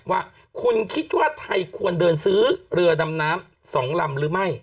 ว่าคุณคิดว่าไทยควรเดินซื้อเรือดำน้ำ๒ลำหรือไม่